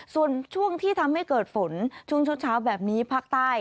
ส่วนช่วงที่ทำให้เกิดฝนช่วงเช้าแบบนี้ภาคใต้